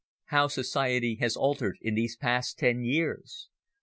How society has altered in these past ten years!